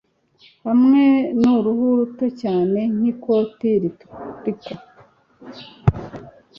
Hamwe nuruhu ruto cyane nkikoti riturika